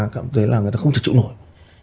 cảm thấy là người ta không thể chịu nổi